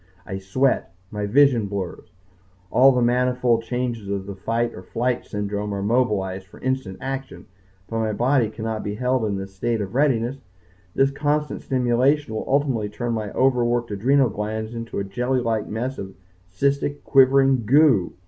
I sweat. My vision blurs. All the manifold changes of the fight or flight syndrome are mobilized for instant action. But my body cannot be held in this state of readiness. The constant stimulation will ultimately turn my overworked adrenal glands into a jelly like mess of cystic quivering goo.